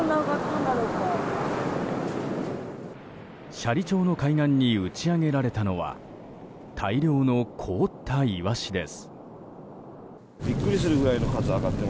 斜里町の海岸に打ち揚げられたのは大量の凍ったイワシです。